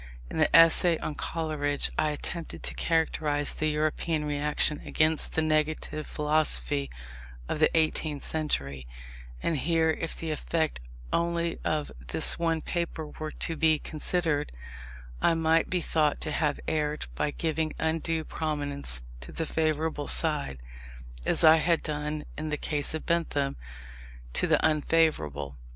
In the essay on Coleridge I attempted to characterize the European reaction against the negative philosophy of the eighteenth century: and here, if the effect only of this one paper were to be considered, I might be thought to have erred by giving undue prominence to the favourable side, as I had done in the case of Bentham to the unfavourable.